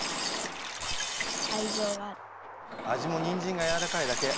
味もにんじんがやわらかいだけ。